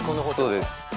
そうです。